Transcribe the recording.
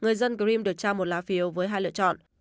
người dân gream được trao một lá phiếu với hai lựa chọn